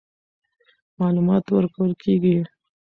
معلومات ورکول کېږي.